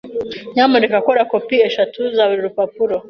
Nyamuneka kora kopi eshatu za buri rupapuro.